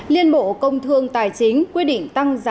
liên bộ công thương tài chính quyết định tăng giá